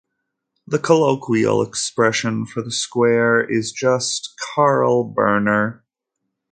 The colloquial expression for the square is just "Carl Berner".